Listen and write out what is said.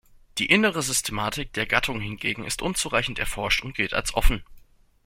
Die innere Systematik der Gattung hingegen ist unzureichend erforscht und gilt als offen.